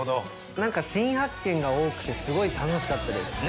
何か新発見が多くてすごい楽しかったです。